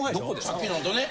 さっきのんとね。